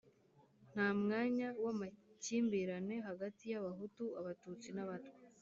nta mwanya w'amakimbirane hagati y'Abahutu, Abatutsi n'Abatwa.